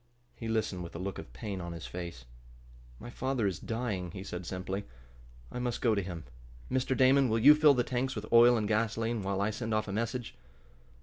He listened with a look of pain on his face. "My father is dying," he said simply. "I must go to him. Mr. Damon, will you fill the tanks with oil and gasoline, while I send off a message?"